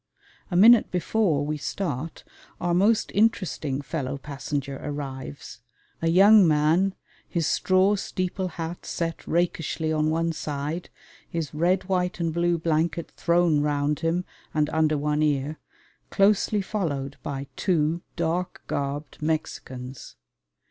A minute before we start our most interesting fellow passenger arrives a young man his straw steeple hat set rakishly on one side, his red white and blue blanket thrown round him and under one ear closely followed by two dark garbed Mexicans.